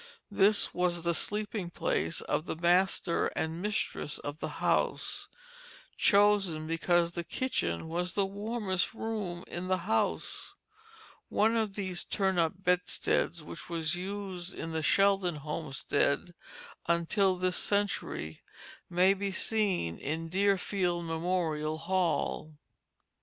This was the sleeping place of the master and mistress of the house, chosen because the kitchen was the warmest room in the house. One of these "turn up" bedsteads which was used in the Sheldon homestead until this century may be seen in Deerfield Memorial Hall.